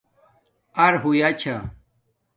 اَرہوئیا چھݳ